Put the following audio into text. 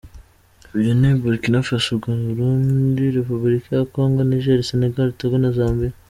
Ibyo ni Burkina Faso, u Burundi, Repuburika ya Congo, Niger, Senegal, Togo na Zambia.